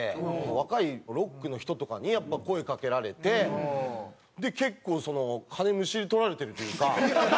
若いロックの人とかにやっぱ声掛けられて結構その金むしり取られてるというか。